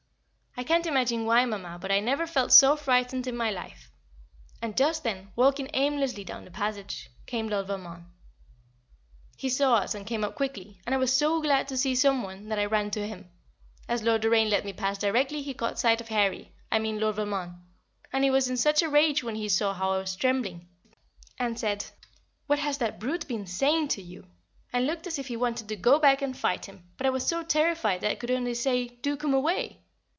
I can't imagine why, Mamma, but I never felt so frightened in my life; and just then, walking aimlessly down the passage, came Lord Valmond. He saw us and came up quickly, and I was so glad to see some one, that I ran to him, as Lord Doraine let me pass directly he caught sight of Harry I mean Lord Valmond and he was in such a rage when he saw how I was trembling, and said, "What has that brute been saying to you?" and looked as if he wanted to go back and fight him; but I was so terrified that I could only say, "Do come away!"